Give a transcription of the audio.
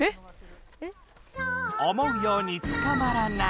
思うようにつかまらない。